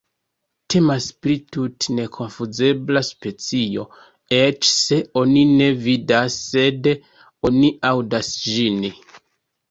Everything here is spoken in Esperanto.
Temas pri tute nekonfuzebla specio, eĉ se oni ne vidas sed oni aŭdas ĝin.